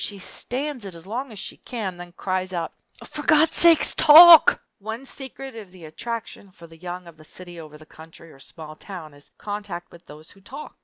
She stands it as long as she can, then cries out, "For Gawd's sake, talk!" One secret of the attraction for the young of the city over the country or small town is contact with those who talk.